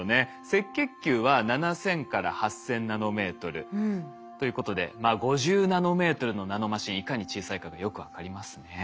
赤血球は７，０００８，０００ナノメートルということで５０ナノメートルのナノマシンいかに小さいかがよく分かりますね。